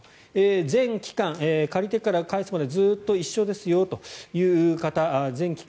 全期間、借りてから返すまでずっと一緒ですよという方全期間